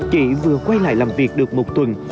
chỉ vừa quay lại làm việc được một tuần